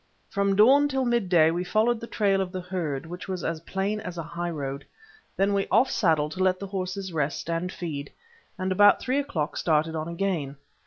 From dawn till mid day we followed the trail of the herd, which was as plain as a high road. Then we off saddled to let the horses rest and feed, and about three o'clock started on again.